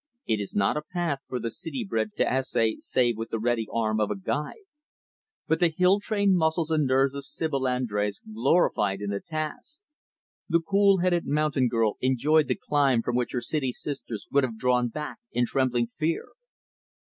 It is not a path for the city bred to essay, save with the ready arm of a guide. But the hill trained muscles and nerves of Sibyl Andrés gloried in the task. The cool headed, mountain girl enjoyed the climb from which her city sisters would have drawn back in trembling fear.